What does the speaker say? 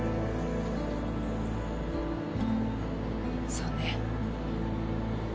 そうね。